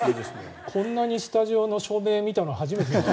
こんなにスタジオの照明見たの初めて。